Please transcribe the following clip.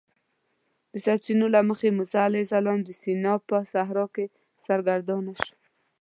د سرچینو له مخې موسی علیه السلام د سینا په صحرا کې سرګردانه شو.